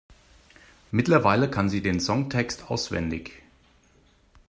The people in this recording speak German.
Mittlerweile kann sie den Songtext auswendig.